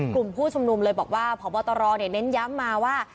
กลุ่มผู้ชุมนุมเลยบอกว่าพบตรเน้นย้ำมาว่า